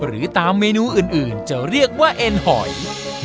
หรือตามเมนูอื่นจะเรียกว่าเอ็นหอย